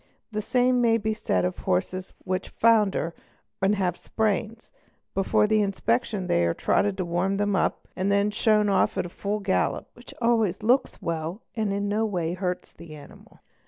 The same may _ be said of horses which founder and have spavins; before the inspection _ they are trotted to warm them up and are then shown off at full gallop, _ which always looks well and in no way hurts the animal.